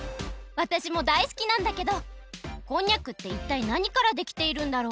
わたしもだいすきなんだけどこんにゃくっていったいなにからできているんだろう？